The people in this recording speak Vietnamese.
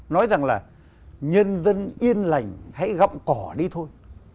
nói rằng là nhân dân yên lành hãy gặm cỏ đi thôi